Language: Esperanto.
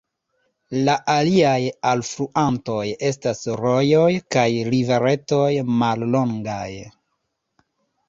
La aliaj alfluantoj estas rojoj kaj riveretoj mallongaj.